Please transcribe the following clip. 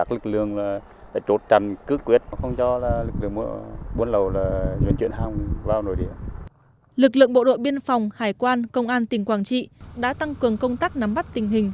lực lượng bộ đội biên phòng hải quan công an tỉnh quảng trị đã tăng cường công tác nắm bắt tình hình